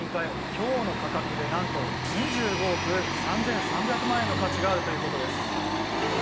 今日の価格でなんと２５億３３００万円の価値があるということです。